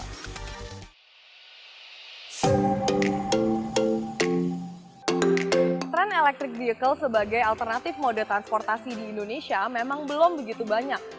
trend electric vehicle sebagai alternatif mode transportasi di indonesia memang belum begitu banyak